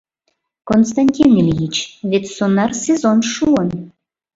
Константин Ильич, вет сонар сезон шуын.